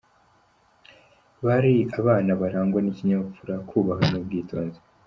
Bari abana barangwa n’ikinyabupfura, kubaha n’ubwitonzi.